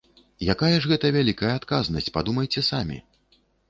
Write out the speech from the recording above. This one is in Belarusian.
Якая ж гэта вялікая адказнасць, падумайце самі!